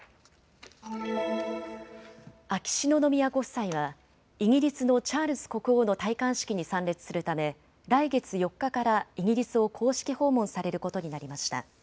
秋篠宮ご夫妻はイギリスのチャールズ国王の戴冠式に参列するため来月４日からイギリスを公式訪問されることになりました。